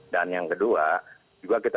dan yang kedua juga kita